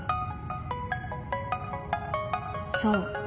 ［そう。